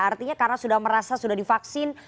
artinya karena sudah merasa sudah divaksin